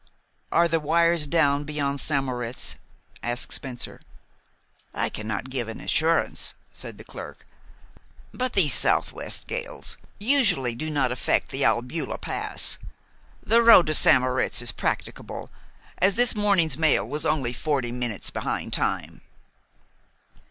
"Are the wires down beyond St. Moritz?" asked Spencer. "I cannot give an assurance," said the clerk; "but these southwest gales usually do not affect the Albula Pass. The road to St. Moritz is practicable, as this morning's mail was only forty minutes behind time."